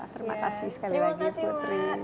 terima kasih sekali lagi putri